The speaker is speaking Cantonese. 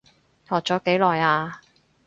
學咗幾耐啊？